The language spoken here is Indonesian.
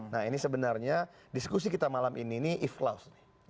nah ini sebenarnya diskusi kita malam ini nih if clause nih